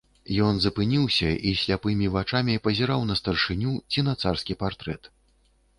Ён запыніўся і сляпымі вачамі пазіраў на старшыню ці на царскі партрэт.